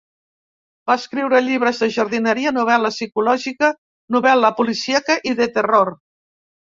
Va escriure llibres de jardineria, novel·la psicològica, novel·la policíaca i de terror.